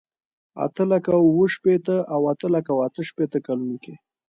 اته لکه اوه شپېته او اته لکه اته شپېته کلونو کې.